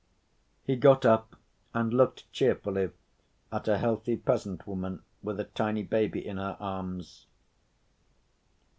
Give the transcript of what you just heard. He got up and looked cheerfully at a healthy peasant woman with a tiny baby in her arms.